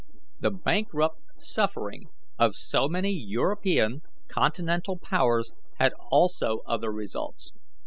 The bankrupt suffering of so many European Continental powers had also other results.